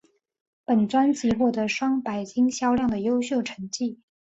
本专辑获得双白金销量优秀成绩。